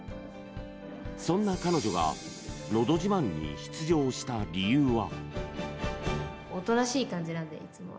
そんな彼女が「のど自慢」に出場した理由は。